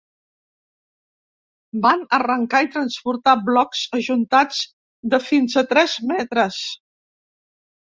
Van arrencar i transportar blocs ajuntats de fins a tres metres.